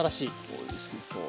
おいしそう。